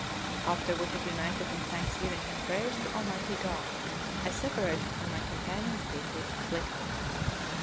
After we had united in thanksgiving and prayers to Almight}" God, I separated from my companions deeply afflicted.